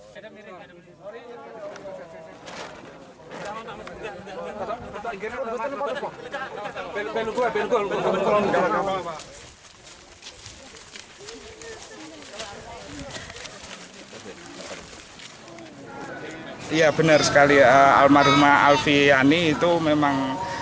kedatangan jenazah korban langsung disambut histeris ibu korban